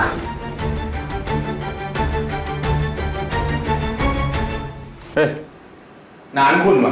เฮ้ยน้านคุณเหรอ